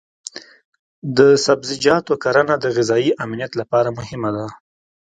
د سبزیجاتو کرنه د غذایي امنیت لپاره مهمه ده.